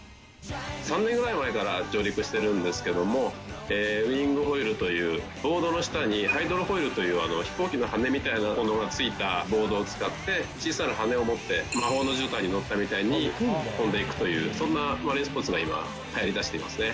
３年ぐらい前から上陸してるんですけれども、ウイングフォイルというボードの下にハイドロフォイルという飛行機の羽みたいなものがついたボードを使って、小さな羽を持って魔法のじゅうたんに乗ったみたいに飛んでいくという、そんなマリンスポーツが今、はやりだしていますね。